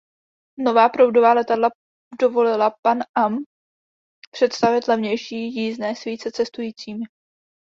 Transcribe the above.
Nová proudová letadla dovolila Pan Am představit levnější jízdné s více cestujícími.